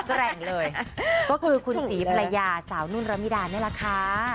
แข็งแกงเลยก็คือคุณสีปลายาสาวนุนรมีดาเนี่ยแหละค่ะ